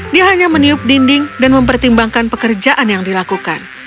dia hanya meniup dinding dan mempertimbangkan pekerjaan yang dilakukan